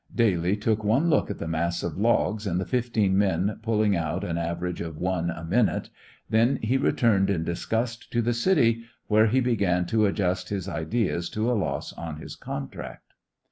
Daly took one look at the mass of logs, and the fifteen men pulling out an average of one a minute. Then he returned in disgust to the city, where he began to adjust his ideas to a loss on his contract.